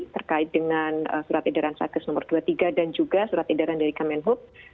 terkait dengan surat edaran satgas nomor dua puluh tiga dan juga surat edaran dari kemenhub